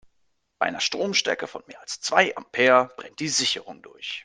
Bei einer Stromstärke von mehr als zwei Ampere brennt die Sicherung durch.